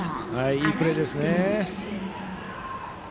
いいプレーですね。